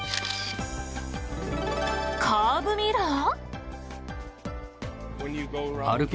カーブミラー？